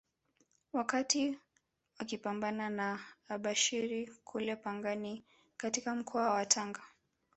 Wakati wakipambana na Abushiri kule Pangani katika mkoa wa Tanga